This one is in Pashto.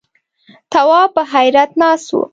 تواب په حيرت ناست و.